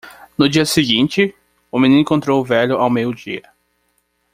No dia seguinte? o menino encontrou o velho ao meio-dia.